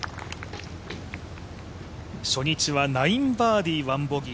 初日は９バーディー１ボギー。